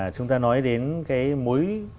chúng ta nói đến cái mối